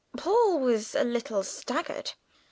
Paul was a little staggered.